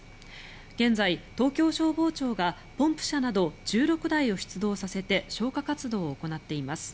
現在、東京消防庁がポンプ車など１６台を出動させて消火活動を行っています。